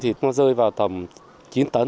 thì nó rơi vào tầm chín tấn